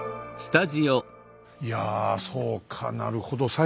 いやそうかなるほど。